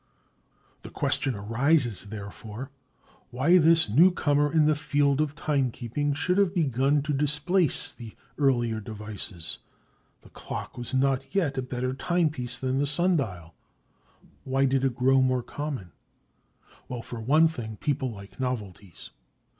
The question arises, therefore, why this newcomer in the field of timekeeping, should have begun to displace the earlier devices. The clock was not yet a better timepiece than the sun dial; why did it grow more common? Well, for one thing, people like novelties.